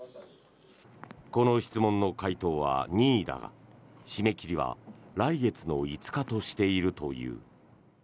この質問の回答は任意だが締め切りは来月の５日としているという。